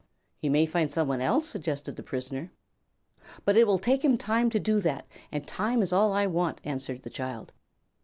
"He may find some one else," suggested the prisoner. "But it will take him time to do that, and time is all I want," answered the child.